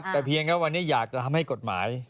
แต่เพียงแค่วันนี้อยากจะทำให้กฎหมาย